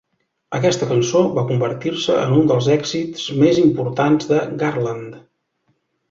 Aquesta cançó va convertir-se en un dels èxits més importants de Garland.